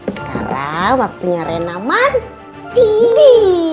sekarang waktunya rena mandi